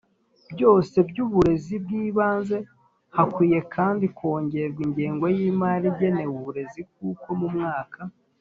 byose by uburezi bw ibanze Hakwiye kandi kongerwa ingengo yimari igenewe uburezi kuko mu mwaka